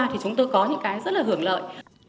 thì chúng tôi có những cái rất là hưởng lợi